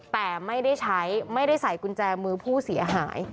แต่ไม่ได้ใช้ไม่ได้ใส่กุญแจมือผู้เสียหาย